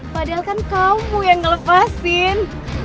padahal kan kamu yang ngelepasin